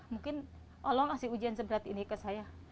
mungkin allah ngasih ujian seberat ini ke saya